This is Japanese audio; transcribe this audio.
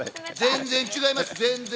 全然、全然、違います。